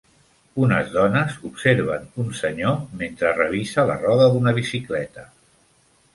Unes dones observen un senyor mentre revisa la roda d'una bicicleta.